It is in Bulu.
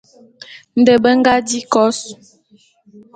Nde be nga di kos.